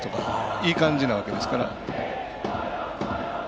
いい感じなわけですから。